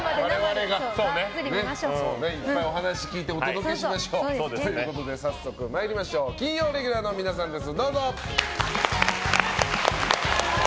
いっぱいお話聞いてお届けしましょう。ということで早速金曜レギュラーの皆さんです。